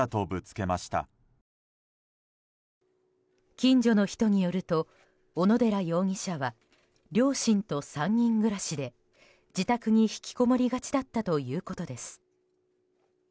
近所の人によると小野寺容疑者は両親と３人暮らしで自宅に引きこもりがちだったということです。